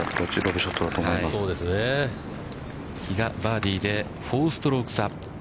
比嘉、バーディーで４ストローク差。